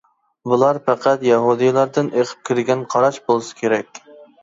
بۇلار پەقەت يەھۇدىيلاردىن ئېقىپ كىرگەن قاراش بولسا كېرەك.